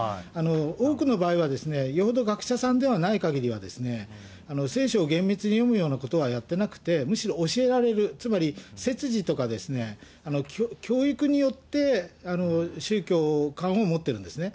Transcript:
多くの場合は、よほど学者さんではないかぎりは、聖書を厳密に読むようなことはやってなくて、むしろ教えられる、つまり説示とかですね、教育によって、宗教観を持ってるんですね。